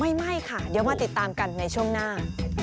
ไม่ค่ะเดี๋ยวมาติดตามกันในช่วงหน้า